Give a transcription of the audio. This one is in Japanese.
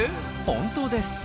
本当です。